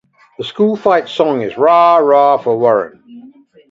The school fight song is Rah, rah for Warren.